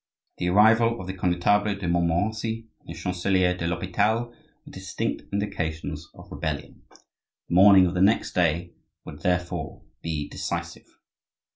The arrival of the Connetable de Montmorency and the Chancelier de l'Hopital were distinct indications of rebellion; the morning of the next day would therefore be decisive.